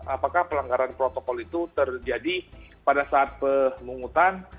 apakah pelanggaran protokol itu terjadi pada saat pemungutan